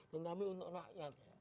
tetapi untuk rakyat